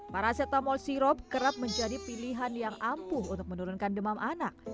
paracetamol sirop kerap menjadi pilihan yang ampuh untuk menurunkan demam anak